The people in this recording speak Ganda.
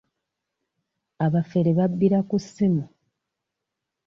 Abafere babbira ku ssimu.